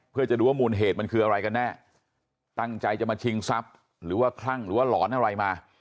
เพื่อจะดูว่ามูลเหตุมันคืออะไรกันแน่ตั้งใจจะมาชิงทรัพย์หรือว่าคลั่งหรือว่าหลอนอะไรมา